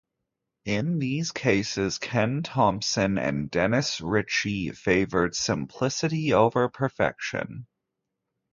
In these cases Ken Thompson and Dennis Ritchie favored simplicity over perfection.